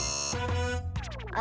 あ。